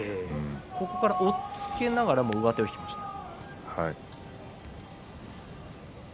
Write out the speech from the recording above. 押っつけながら上手を引きました。